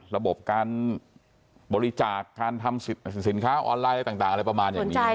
ระบบการบริจาคการทำสินค้าออนไลน์อะไรต่างอะไรประมาณอย่างนี้